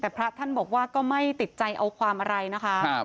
แต่พระท่านบอกว่าก็ไม่ติดใจเอาความอะไรนะคะ